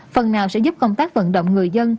phần nào sẽ giúp công tác vận động người dân